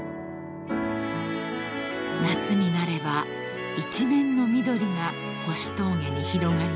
［夏になれば一面の緑が星峠に広がります］